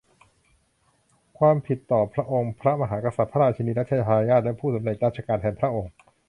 ความผิดต่อองค์พระมหากษัตริย์ พระราชินี รัชทายาท และผู้สำเร็จราชการแทนพระองค์